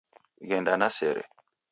Ghenda na sere